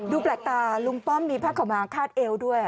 ดูแปลกตาลุงป้อมนี่พักเข้ามาคาดเอวด้วย